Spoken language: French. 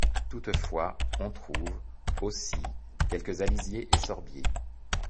Toutefois, on trouve, aussi, quelques alisiers et sorbiers.